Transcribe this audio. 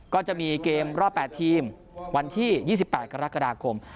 ก็จะมีเกมรอบ๘ทีมวันที่๒๘กรกฎาคม